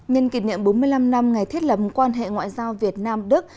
nhân kỷ niệm bốn mươi năm năm ngày thiết lập quan hệ ngoại giao việt nam đức